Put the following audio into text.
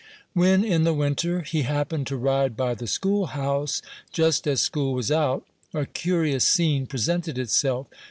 When, in the winter, he happened to ride by the school house, just as school was out, a curious scene presented itself.